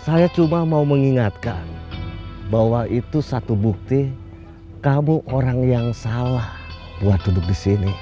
saya cuma mau mengingatkan bahwa itu satu bukti kamu orang yang salah buat duduk di sini